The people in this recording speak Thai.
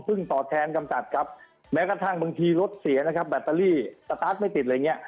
ซึ่งตอบแทนกำจัดครับแม้กระทั่งบางทีรถเสียนะครับแบตเตอรี่สตาร์ทไม่ติดอะไรอย่างเงี้